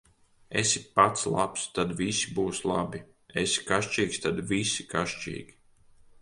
Esi pats labs, tad visi būs labi; esi kašķīgs, tad visi kašķīgi.